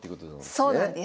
そうなんです。